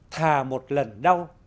thà một lần đau